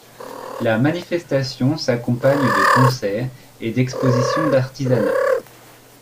La manifestation s'accompagne de concerts et d'expositions d'artisanat.